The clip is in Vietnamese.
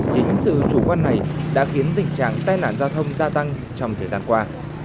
chính sự chủ quan này đã khiến tình trạng tai nạn giao thông gia tăng trong thời gian qua